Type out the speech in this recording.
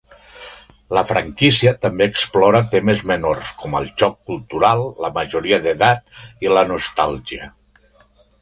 La franquícia també explora temes menors com el xoc cultural, la majoria d'edat i la nostàlgia.